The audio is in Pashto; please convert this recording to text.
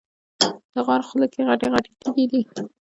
د غار خوله کې غټې غټې تیږې دي.